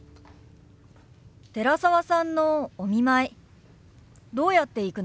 寺澤さんのお見舞いどうやって行くの？